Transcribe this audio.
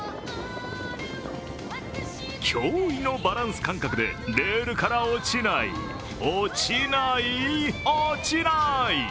驚異のバランス感覚でレールから落ちない、落ちない落ちない！